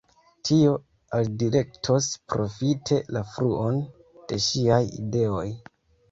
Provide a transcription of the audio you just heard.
Tio alidirektos profite la fluon de ŝiaj ideoj.